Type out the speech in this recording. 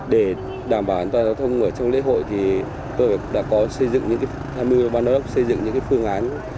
để đảm bảo an toàn giao thông ở trong lễ hội tôi đã có xây dựng những phương án